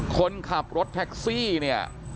คนขับรถแท็กซี่เนี่ย